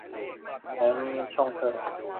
แหม ช่องเธอ